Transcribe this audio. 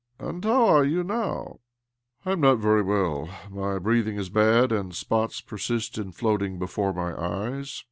" And how are you now? "" I am not very well. My breathing is bad, and spots persist in floating before niy eyes.